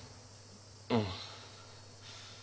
うん。